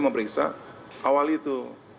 memperiksa awal itu